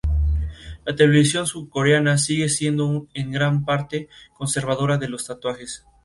La televisión surcoreana sigue siendo en gran parte conservadora de los tatuajes.